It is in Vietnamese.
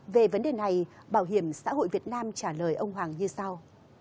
về vấn đề này bảo hiểm xã hội việt nam trả lời ông hoàng như sau